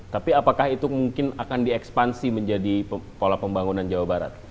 tapi apakah itu mungkin akan diekspansi menjadi pola pembangunan jawa barat